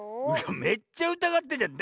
めっちゃうたがってんじゃん。